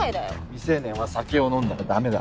未成年は酒を飲んだら駄目だ。